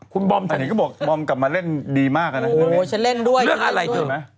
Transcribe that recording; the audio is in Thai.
คุณบอมธนินก็บอกบอมกลับมาเล่นดีมากอะนะเรื่องอะไรถึง